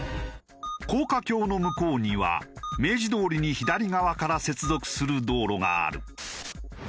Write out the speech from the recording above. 高架橋の向こうには明治通りに左側から接続する道路がある。